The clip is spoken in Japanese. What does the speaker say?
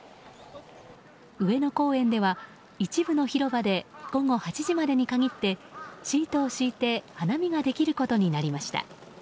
上野公園では、一部の広場で午後８時までに限ってシートを敷いて花見ができることになりました。